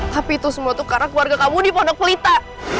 tapi itu semua tuh karena keluarga kamu dipondok pelita